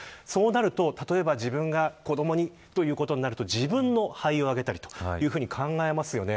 そうなると、自分が子どもにということになると、自分の肺をあげたいと考えますよね。